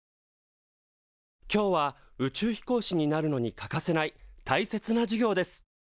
今日は宇宙飛行士になるのに欠かせないたいせつな授業です。